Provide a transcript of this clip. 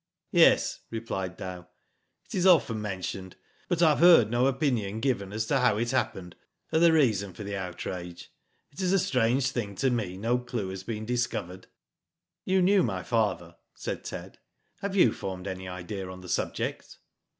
"Yes," replied Dow, "it is often mentioned; but I have heard no opinion given as to how it happened, or the reason for the outrage. It is a strange thing to me no clue has been discovered." " You knew my father," said Ted, " have you formed any idea on the subject?"